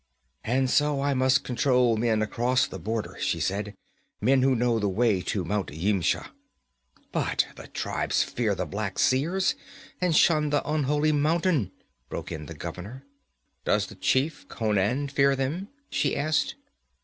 'And so I must control men across the border,' she said, 'men who know the way to Mount Yimsha ' 'But the tribes fear the Black Seers and shun the unholy mountain,' broke in the governor. 'Does the chief, Conan, fear them?' she asked.